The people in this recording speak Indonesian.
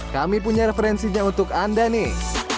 kami punya referensinya untuk anda nih